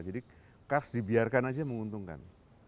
jadi kars dibiarkan saja menguntungkan